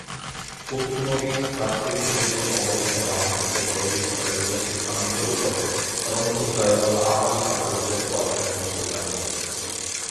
ფუხიმორის გაქცევის შემდეგ კონგრესმა დაამტკიცა დროებითი პრეზიდენტის თანამდებობაზე, რომელსაც დაევალა ახალი საპრეზიდენტო არჩევნების ორგანიზაცია.